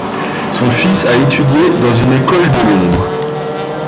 Son fils a étudié dans une école de Londres.